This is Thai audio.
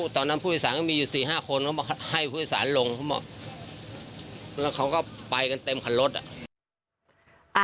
ตอนนั้นภูมิศาลก็มีอยู่สี่ห้าคนเขาบอกให้ภูมิศาลลงเขาบอกแล้วเขาก็ไปกันเต็มขันรถอ่ะ